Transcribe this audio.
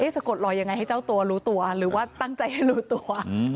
สะกดลอยยังไงให้เจ้าตัวรู้ตัวหรือว่าตั้งใจให้รู้ตัว